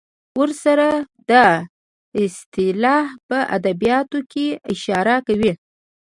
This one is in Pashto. ورسره دا اصطلاح په ادبیاتو کې اشاره کوي.